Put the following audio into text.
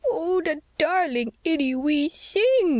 "Oh, the darling itty wee sing!"